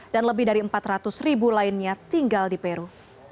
dan lebih dari empat ratus ribu lainnya tinggal di peru